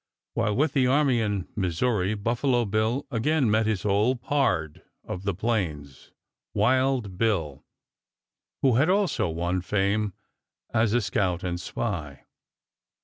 While with the army in Missouri Buffalo Bill again met his old "pard" of the plains, Wild Bill, who had also won fame as a scout and spy.